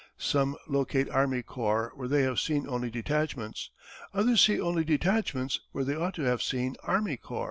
Some locate army corps where they have seen only detachments; others see only detachments where they ought to have seen army corps.